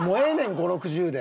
５０６０で。